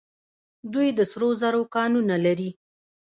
دوی د سرو زرو کانونه لري.